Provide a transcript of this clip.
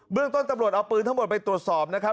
เรื่องต้นตำรวจเอาปืนทั้งหมดไปตรวจสอบนะครับ